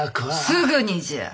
すぐにじゃ。